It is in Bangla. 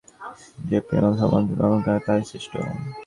যে প্রেম ভগবানে একাগ্র, তাহাই শ্রেষ্ঠ।